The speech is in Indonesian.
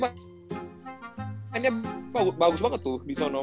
mainnya bagus banget tuh di sonom